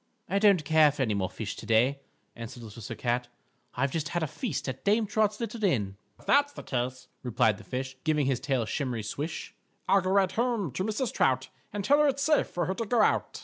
"I don't care for any more fish to day," answered Little Sir Cat, "I've just had a feast at Dame Trot's little Inn." "_If that's the case," replied the fish, Giving his tail a shimmery swish, "I'll go right home to Mrs. Trout And tell her it's safe for her to go out.